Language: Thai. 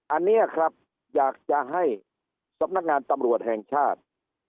อันนี้ครับอยากจะให้สำนักงานตำรวจแห่งชาติ